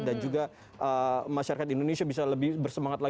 dan juga masyarakat indonesia bisa lebih bersemangat